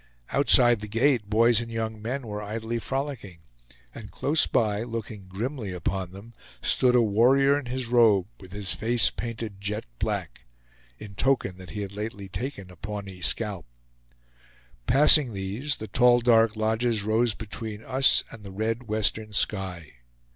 Outside the gate boys and young men were idly frolicking; and close by, looking grimly upon them, stood a warrior in his robe, with his face painted jet black, in token that he had lately taken a Pawnee scalp. Passing these, the tall dark lodges rose between us and the red western sky.